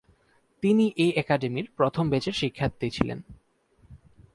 তিনি এ একাডেমির প্রথম ব্যাচের শিক্ষার্থী ছিলেন।